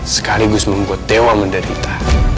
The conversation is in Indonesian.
sekaligus membuat dewa menderita